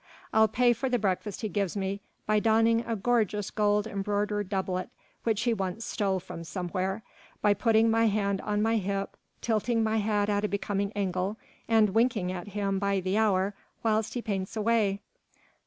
I'll pay for the breakfast he gives me, by donning a gorgeous gold embroidered doublet which he once stole from somewhere, by putting my hand on my hip, tilting my hat at a becoming angle, and winking at him by the hour whilst he paints away."